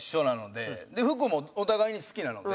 で服もお互いに好きなので。